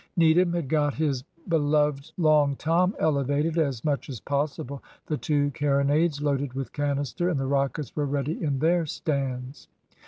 Needham had got his beloved Long Tom elevated as much as possible, the two carronades loaded with canister, and the rockets were ready in their stands.